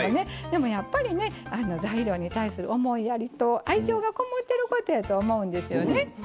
でもやっぱりね材料に対する思いやりと愛情がこもってることやと思うんですよね。